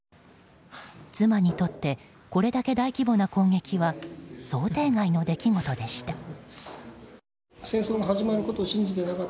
妻にとってこれだけ大規模な攻撃は想定外の出来事でした。